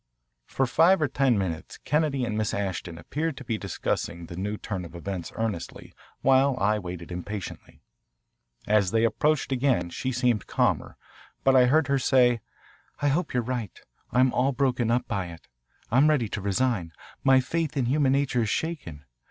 For five or ten minutes Kennedy and Miss Ashton appeared to be discussing the new turn of events earnestly, while I waited impatiently. As they approached again she seemed calmer, but I heard her say, "I hope you're right. I'm all broken up by it. I'm ready to resign. My faith in human nature is shaken.